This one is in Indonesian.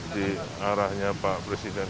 di arahnya pak presiden